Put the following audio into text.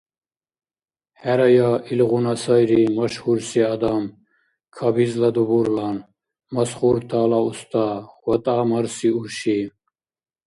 ХӀерая, илгъуна сайри машгьурси адам, кабизла дубурлан, масхуртала уста, ВатӀа марси урши.